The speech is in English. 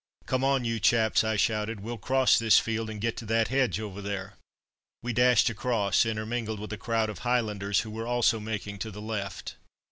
"Come on, you chaps," I shouted, "we'll cross this field, and get to that hedge over there." We dashed across, intermingled with a crowd of Highlanders, who were also making to the left.